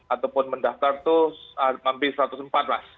ataupun mendaftar itu hampir satu ratus empat belas mas